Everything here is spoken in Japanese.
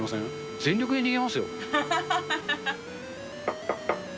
全力で逃げますよ。